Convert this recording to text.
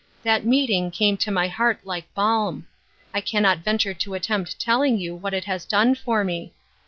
That meeting came to my heart like balm. I cannot venture to attempt telling you what it has done for me.